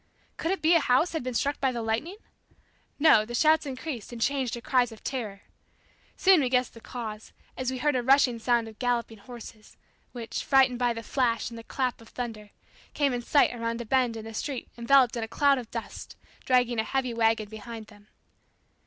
Could it be a house had been struck by the lightning? No, the shouts increased and changed to cries of terror. Soon we guessed the cause, as we heard a rushing sound of galloping horses, which, frightened by the flash and the clap of thunder, came in sight around a bend in the street enveloped in a cloud of dust, dragging a heavy wagon behind them.